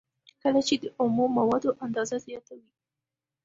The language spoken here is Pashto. کله چې د اومو موادو اندازه زیاته وي